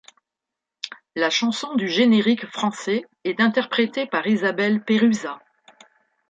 La chanson du générique français est interprétée par Isabelle Peruzat.